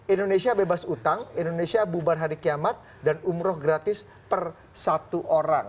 indonesia bebas utang indonesia bubar hari kiamat dan umroh gratis per satu orang